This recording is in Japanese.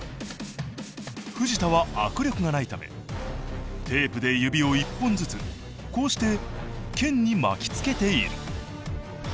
藤田は握力がないためテープで指を一本ずつこうして剣に巻きつけている。